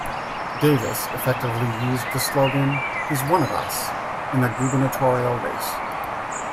Davis effectively used the slogan "He's One of Us" in the gubernatorial race.